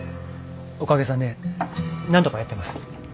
おかげさんでなんとかやってます。